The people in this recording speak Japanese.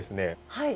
はい。